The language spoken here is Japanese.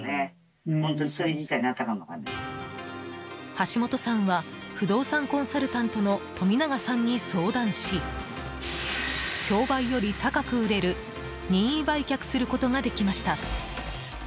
橋本さんは不動産コンサルタントの冨永さんに相談し競売より高く売れる任意売却することができました。